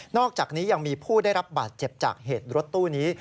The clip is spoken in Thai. อกจากนี้ยังมีผู้ได้รับบาดเจ็บจากเหตุรถตู้นี้